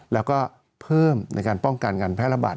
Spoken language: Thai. แล้วก็เพิ่มในการป้องกันการแพร่ระบาด